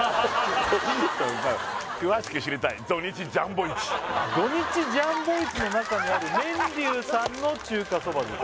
詳しく知りたい土・日ジャンボ市「土・日ジャンボ市の中にある麺龍さんの中華そばです」